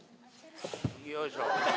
よいしょ。